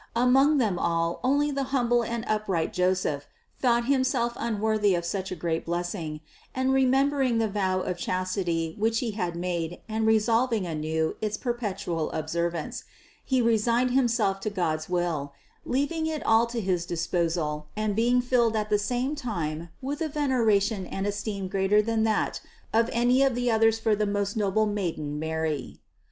Among them all only the humble and most upright Joseph thought himself unworthy of such a great blessing; and remem bering the vow of chastity which he had made and re solving anew its perpetual observance, he resigned him self to God's will, leaving it all to his disposal and being filled at the same time with a veneration and esteem greater than that of any of the others for the most noble maiden Mary.